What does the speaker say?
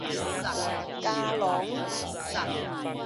嘉農